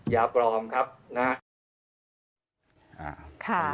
ยาปลองครับนะฮะ